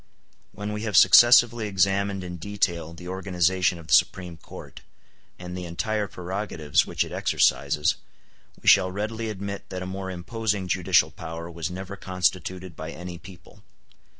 When we have successively examined in detail the organization of the Supreme Court, and the entire prerogatives which it exercises, we shall readily admit that a more imposing judicial power was never constituted by any people.